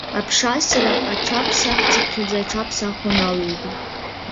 Аԥша асра аҽаԥсахцыԥхьаӡа аҽаԥсахуан алҩагьы.